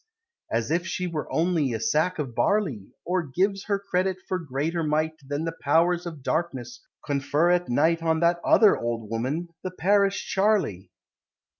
As if she were only a sack of barley! Or gives her credit for greater might Than the Powers of Darkness confer at night On that other old woman, the parish Charley!